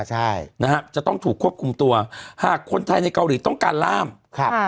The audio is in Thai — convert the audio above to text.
ใช่นะฮะจะต้องถูกควบคุมตัวหากคนไทยในเกาหลีต้องการล่ามครับ